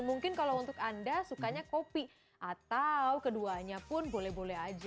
mungkin kalau untuk anda sukanya kopi atau keduanya pun boleh boleh aja